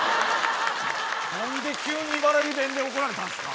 何で急に茨城弁で怒られたんすか？